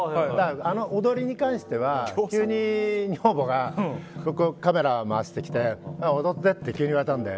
あの踊りに関しては急に女房がカメラ回してきて踊ってって急に言われたので。